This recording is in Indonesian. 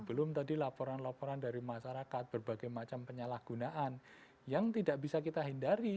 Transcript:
belum tadi laporan laporan dari masyarakat berbagai macam penyalahgunaan yang tidak bisa kita hindari